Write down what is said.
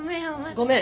ごめん！